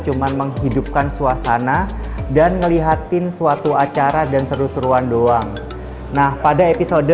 cuman menghidupkan suasana dan ngeliatin suatu acara dan seru seruan doang nah pada episode